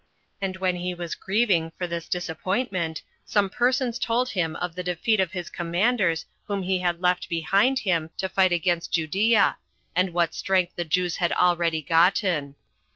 And when he was grieving for this disappointment, some persons told him of the defeat of his commanders whom he had left behind him to fight against Judea, and what strength the Jews had already gotten.